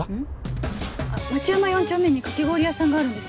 町山４丁目にかき氷屋さんがあるんです